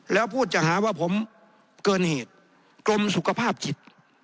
แล้วพูดจะหาว่าผมเกินเหตุกรมสุขภาพจิต